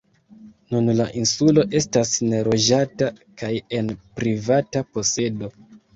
Nun la insulo estas neloĝata kaj en privata posedo.